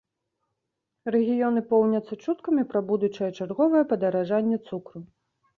Рэгіёны поўняцца чуткамі пра будучае чарговае падаражэнне цукру.